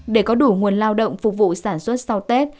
để có đủ nguồn lao động phục vụ sản xuất sau tết